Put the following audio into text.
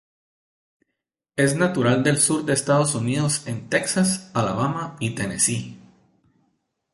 Es natural del sur de Estados Unidos en Texas, Alabama, Tennessee.